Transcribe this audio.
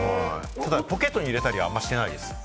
ただポケットに入れたりはあんまりしてないです。